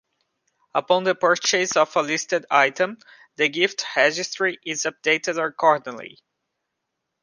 Upon the purchase of a listed item, the gift registry is updated accordingly.